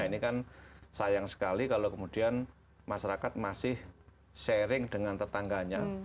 ini kan sayang sekali kalau kemudian masyarakat masih sharing dengan tetangganya